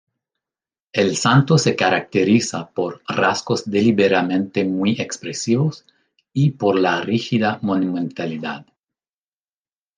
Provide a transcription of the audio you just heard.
El santo se caracteriza por rasgos deliberadamente muy expresivos y por la rígida monumentalidad.